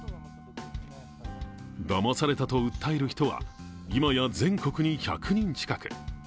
だまされたと訴える人は今や全国に１００人近く。